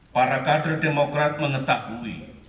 para kader demokrat mengetahui